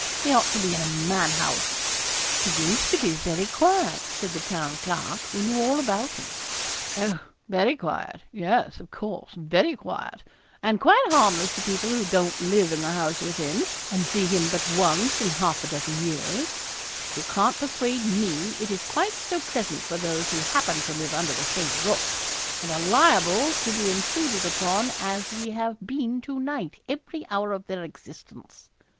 He ought to be in a madhouse.' 'He used to be very quiet,' said the Town Clerk, who knew all about him. 'Oh! very quiet yes, of course, very quiet, and quite harmless to people who don't live in the house with him, and see him but once in half a dozen years; but you can't persuade me it is quite so pleasant for those who happen to live under the same roof, and are liable to be intruded upon as we have been to night every hour of their existence.'